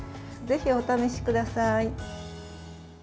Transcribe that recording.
ぜひ、お試しください。